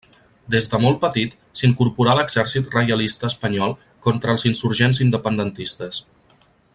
Des de molt petit s'incorporà a l'Exèrcit Reialista espanyol contra els insurgents independentistes.